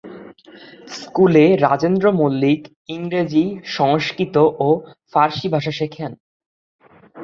স্কুলে রাজেন্দ্র মল্লিক ইংরেজি, সংস্কৃত ও ফারসী ভাষা শেখেন।